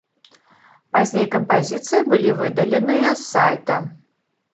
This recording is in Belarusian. Пазней кампазіцыі былі выдаленыя з сайта.